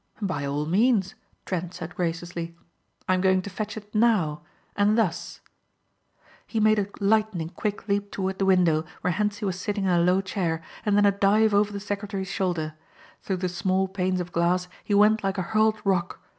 "By all means," Trent said graciously. "I am going to fetch it now and thus." He made a lightning quick leap toward the window where Hentzi was sitting in a low chair and then a dive over the secretary's shoulder. Through the small panes of glass he went like a hurled rock.